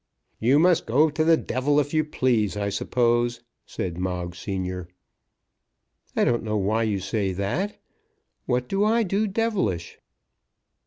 "You must go to the devil if you please, I suppose," said Moggs senior. "I don't know why you say that. What do I do devilish?"